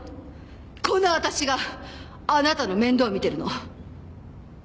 この私があなたの面倒を見てるの。